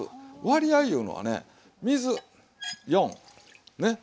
割合いうのはね水４ねっ。